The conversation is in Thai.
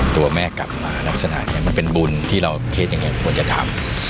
ตัวแม่กลับมาลักษณะนี้มันเป็นบุญที่เราคิดอย่างนี้ควรจะทำ